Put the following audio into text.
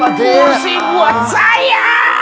berhasil buat saya